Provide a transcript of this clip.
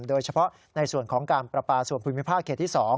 โดยเฉพาะในส่วนของการประปาส่วนภูมิภาคเขตที่๒